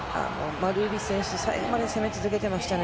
マルーリス選手、最後まで攻め続けてましたね。